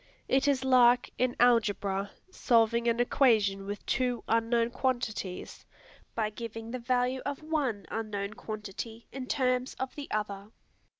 It is like, in algebra, solving an equation with two unknown quantities, by giving the value of one unknown quantity in terms of the other.